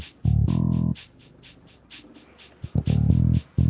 siapa yang percaya nama ibu kongen itu